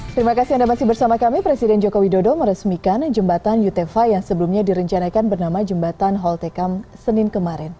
terima kasih anda masih bersama kami presiden joko widodo meresmikan jembatan yutefa yang sebelumnya direncanakan bernama jembatan holtekam senin kemarin